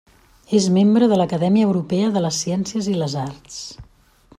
És membre de l'Acadèmia Europea de les Ciències i les Arts.